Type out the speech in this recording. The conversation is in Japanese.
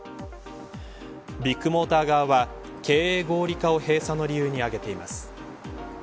ビッグモーター側は経営合理化を閉鎖の理由に挙げています。